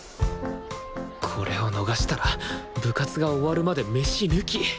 これを逃したら部活が終わるまでメシ抜き！